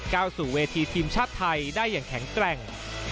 สู่เวทีทีมชาติไทยได้อย่างแข็งแกร่ง